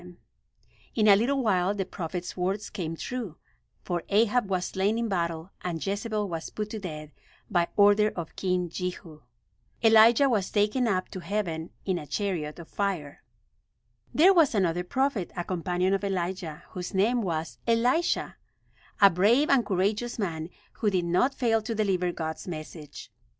[Illustration: Made king when he was only seven years old] In a little while the prophet's words came true, for Ahab was slain in battle and Jezebel was put to death by order of King Jehu. Elijah was taken up to heaven in a chariot of fire. There was another prophet, a companion of Elijah, whose name was Elisha, a brave and courageous man who did not fail to deliver God's message.